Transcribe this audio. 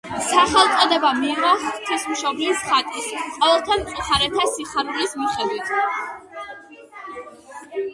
სახელწოდება მიიღო ღვთისმშობლის ხატის „ყოველთა მწუხარეთა სიხარულის“ მიხედვით.